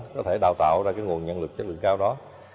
có thể đào tạo ra cái nguồn nhân lực chất lượng cao đó